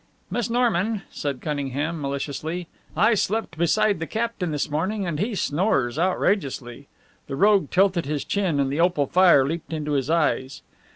"Miss Norman," said Cunningham, maliciously, "I slept beside the captain this morning, and he snores outrageously." The rogue tilted his chin and the opal fire leaped into his eyes.